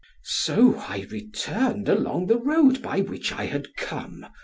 So I returned along the road by which I had come.